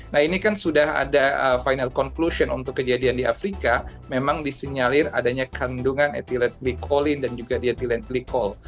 nah ini kan sudah ada final conclusion untuk kejadian di afrika memang disinyalir adanya kandungan ethylenthylcholine dan juga diethylenthylchol